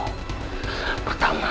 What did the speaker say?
gue udah dari sana